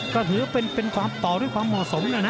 ก็ถือเป็นความต่อด้วยความเหมาะสมแล้วนะ